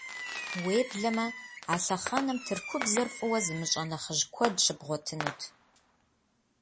Уеблэмэ а лъэхъэнэм Тыркубзэр фӀыуэ зымыщӀэ нэхъыжь куэд щыбгъуэтынут.